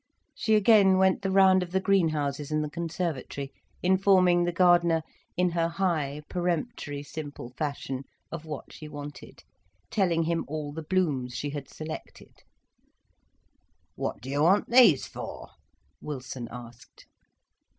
She again went the round of the green houses and the conservatory, informing the gardener, in her high, peremptory, simple fashion, of what she wanted, telling him all the blooms she had selected. "What do you want these for?" Wilson asked.